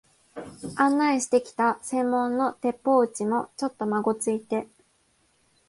案内してきた専門の鉄砲打ちも、ちょっとまごついて、